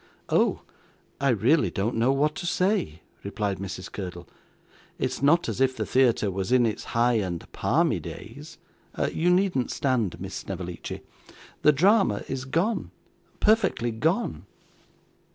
'Oh! I really don't know what to say,' replied Mrs. Curdle. 'It's not as if the theatre was in its high and palmy days you needn't stand, Miss Snevellicci the drama is gone, perfectly gone.